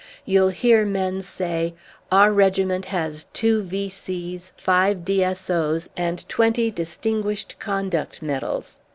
You'll hear men say: 'Our regiment has two V.C.s, five D.S.O.s, and twenty Distinguished Conduct Medals.'